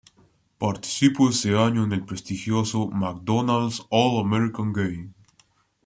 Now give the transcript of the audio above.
Participó ese año en el prestigioso McDonald's All-American Game.